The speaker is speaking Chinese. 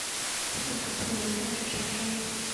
自此客流开始上升。